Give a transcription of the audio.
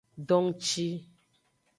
Dongci.